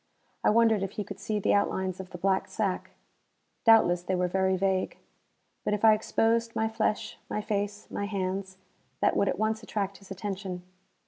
I wondered if he could see the outlines of the black sack. Doubtless they were very vague. But if I exposed my flesh, my face, my hands, that would at once attract his attention.